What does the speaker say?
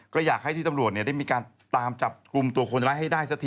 ก็อยากให้ที่ตำรวจได้มีการตามจับกลุ่มตัวคนร้ายให้ได้สักที